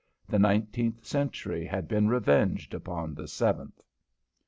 The nineteenth century had been revenged upon the seventh.